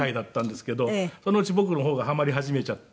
そのうち僕の方がハマり始めちゃって。